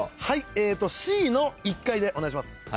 はいＣの１階でお願いします。